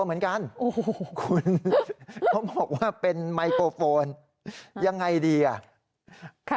ไมโครโฟนยังไงดีฮะ